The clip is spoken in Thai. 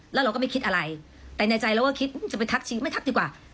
แล้วเราก็ไม่คิดอะไรแต่ในใจเราก็คิดจะไปทักชีไม่ทักดีกว่า